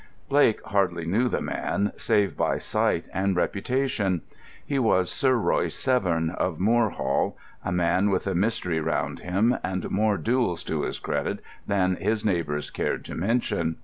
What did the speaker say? Blake hardly knew the man, save by sight and reputation. He was Sir Royce Severn, of Moor Hall, a man with a mystery round him and more duels to his credit than his neighbours cared to mention.